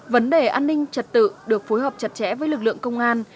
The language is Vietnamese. vấn đề an ninh trật tự được phối hợp chặt chẽ với lực lượng công an